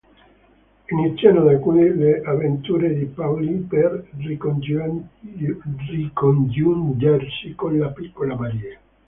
Iniziano da qui le avventure di Paulie per ricongiungersi con la piccola Marie.